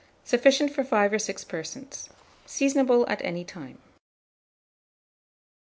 Sufficient for 5 or 6 persons. Seasonable at any time.